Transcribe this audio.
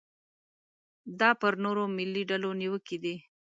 دا پر نورو ملي ډلو نیوکې دي.